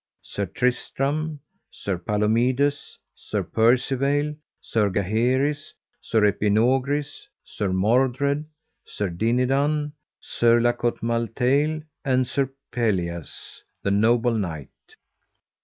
Sir Tristram, Sir Palomides, Sir Percivale, Sir Gaheris, Sir Epinogris, Sir Mordred, Sir Dinadan, Sir La Cote Male Taile, and Sir Pelleas the noble knight.